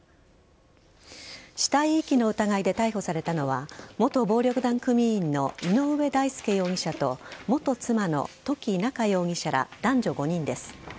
死体遺棄の疑いで逮捕されたのは元暴力団組員の井上大輔容疑者と元妻の土岐菜夏容疑者ら男女５人です。